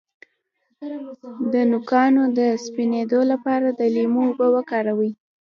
د نوکانو د سپینیدو لپاره د لیمو اوبه وکاروئ